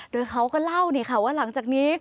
โดยเขาก็เล่าว่าหลังจากนี้